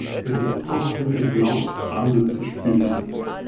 Es ist ausdrücklich erlaubt, Bande zu spielen.